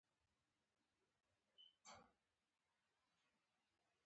د هر مذهب له پیروانو او عالمانو سره مې وکتل.